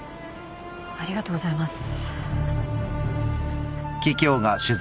ありがとうございます。